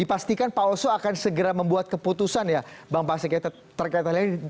dipastikan pak oso akan segera membuat keputusan ya bang pasek terkait hal ini